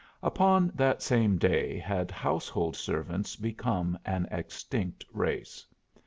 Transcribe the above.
Upon that same day had household servants become an extinct race.